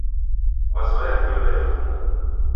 Kwazoya ngelo yefunga?